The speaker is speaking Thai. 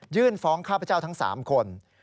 ฟ้องข้าพเจ้าทั้ง๓คน